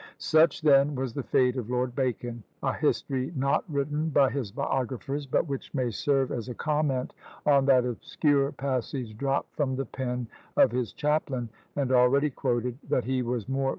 _ Such then was the fate of Lord Bacon; a history not written by his biographers, but which may serve as a comment on that obscure passage dropped from the pen of his chaplain, and already quoted, that he was more valued abroad than at home.